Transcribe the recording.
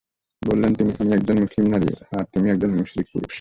বললেন, আমি একজন মুসলমান নারী আর তুমি একজন মুশরিক পুরুষ।